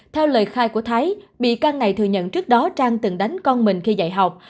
theo lời khai của thái bị can này thừa nhận trước đó trang từng đánh con mình khi dạy học